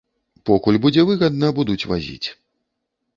Покуль будзе выгадна, будуць вазіць.